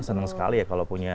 senang sekali ya kalau punya